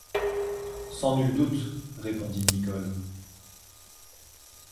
Sans nul doute, répondit Nicholl.